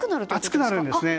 暑くなるんですね。